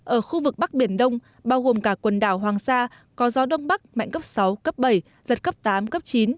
ở khu vực bắc biển đông bao gồm cả quần đảo hoàng sa có gió đông bắc mạnh cấp sáu cấp bảy giật cấp tám cấp chín